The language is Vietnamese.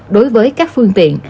đối với các phương tiện